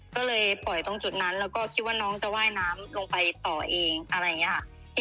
ก็เลยปล่อยตรงจุดนั้นแล้วก็คิดว่าน้องจะว่ายน้ำลงไปต่อเองอะไรอย่างนี้ค่ะ